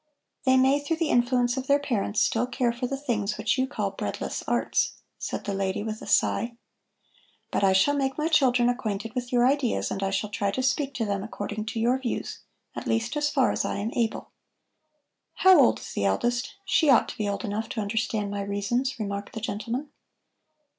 They may, through the influence of their parents, still care for the things which you call the breadless arts," said the lady with a sigh. "But I shall make my children acquainted with your ideas and I shall try to speak to them according to your views, at least as far as I am able." "How old is the eldest? She ought to be old enough to understand my reasons," remarked the gentleman.